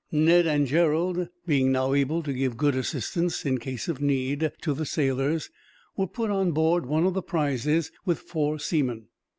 Ned and Gerald, being now able to give good assistance, in case of need, to the sailors, were put on board one of the prizes with four seamen.